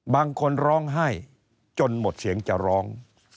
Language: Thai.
บางคนร้องไห้จนหมดเสียงจะร้อง